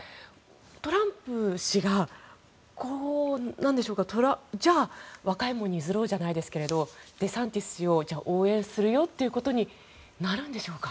トランプ氏がじゃあ、若い者に譲ろうじゃないですけどデサンティス氏を応援するよということになるんでしょうか。